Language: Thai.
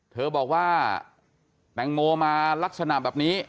เธอบอกว่าแตงโมมาลักษณะแบบนี้